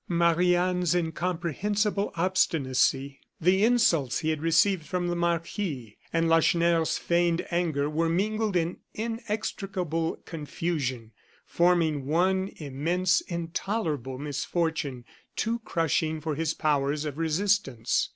Marie Anne's incomprehensible obstinacy, the insults he had received from the marquis, and Lacheneur's feigned anger were mingled in inextricable confusion, forming one immense, intolerable misfortune, too crushing for his powers of resistance.